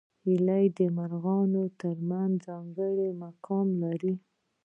هیلۍ د مرغانو تر منځ ځانګړی مقام لري